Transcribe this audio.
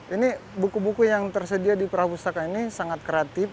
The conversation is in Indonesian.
ini buku buku yang tersedia di perahu pustaka ini sangat kreatif